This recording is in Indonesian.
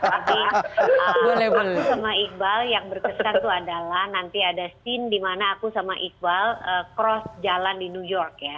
jadi aku sama iqbal yang berkesan tuh adalah nanti ada scene dimana aku sama iqbal cross jalan di new york ya